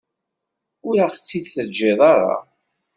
Ur aɣ-tt-id-teǧǧiḍ ara.